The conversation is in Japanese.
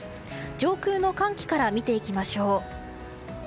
上空の寒気から見ていきましょう。